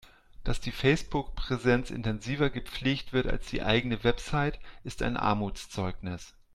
Dass die Facebook-Präsenz intensiver gepflegt wird als die eigene Website, ist ein Armutszeugnis.